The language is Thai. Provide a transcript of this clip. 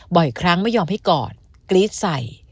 บ่อยครั้งไม่ยอมให้กอดกรี๊ดใส่